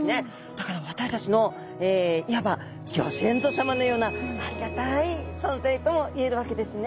だから私たちのいわばギョ先祖さまのようなありがたい存在ともいえるわけですね。